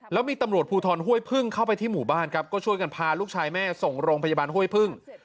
แล้วมีตำรวจภูทรเว้ยพึ่งเข้าไปที่หมู่บ้านก็ช่วยกันพาลูกชายแม่ส่งรองพยบาติเที่ยวเห้ยพึ่ง